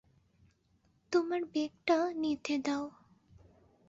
তোমার ব্যাগটা নিতে দাও।